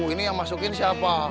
ini yang masukin siapa